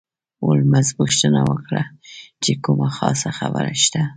هولمز پوښتنه وکړه چې کومه خاصه خبره شته.